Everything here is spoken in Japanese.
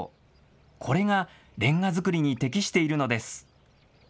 これがレンガ作りに適しているのです。